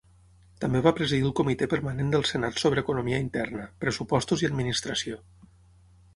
També va presidir el Comitè Permanent del Senat sobre economia interna, pressupostos i administració.